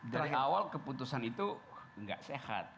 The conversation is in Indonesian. dari awal keputusan itu nggak sehat